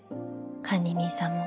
管理人さんも。